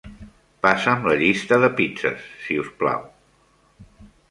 Passa'm la llista de pizzes, si us plau.